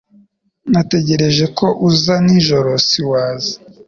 Natekereje ko uza nijoro siwaza.